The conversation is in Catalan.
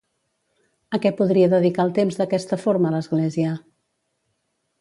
A què podria dedicar el temps d'aquesta forma l'Església?